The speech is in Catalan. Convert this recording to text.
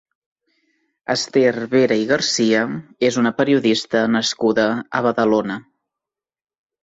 Esther Vera i Garcia és una periodista nascuda a Badalona.